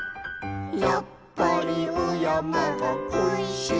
「やっぱりおやまがこいしいと」